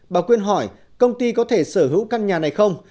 bà quyên hỏi công ty có thể sở hữu căn nhà này không